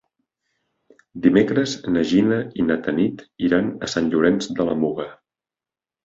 Dimecres na Gina i na Tanit iran a Sant Llorenç de la Muga.